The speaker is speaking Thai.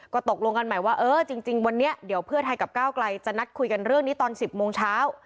ก็ตกลงกันใหม่ว่าเออจริงวันนี้เดี๋ยวเพื่อไทยกับก้าวไกลจะนัดคุยกันเรื่องนี้ตอน๑๐โมงเช้า